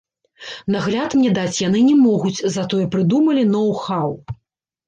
Нагляд мне даць яны не могуць, затое прыдумалі ноу-хау!